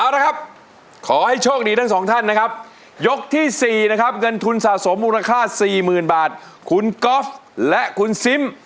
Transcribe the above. ร้องได้